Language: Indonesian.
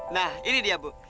nah ini dia bu